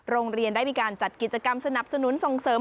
โรงเรียนได้มีการจัดกิจกรรมสนับสนุนส่งเสริม